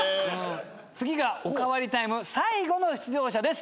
次がおかわりタイム最後の出場者です。